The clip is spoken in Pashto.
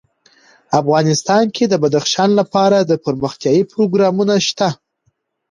افغانستان کې د بدخشان لپاره دپرمختیا پروګرامونه شته.